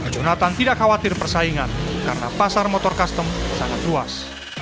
jonathan tidak khawatir persaingan karena pasar motor custom sangat luas